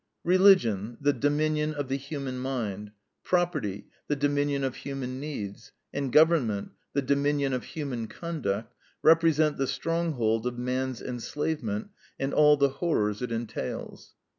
Religion, the dominion of the human mind; Property, the dominion of human needs; and Government, the dominion of human conduct, represent the stronghold of man's enslavement and all the horrors it entails.